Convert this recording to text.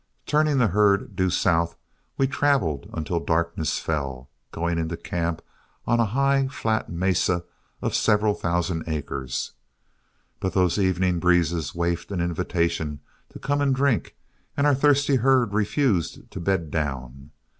Turning the herd due south, we traveled until darkness fell, going into camp on a high, flat mesa of several thousand acres. But those evening breezes wafted an invitation to come and drink, and our thirsty herd refused to bed down.